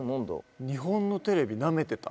日本のテレビナメてた。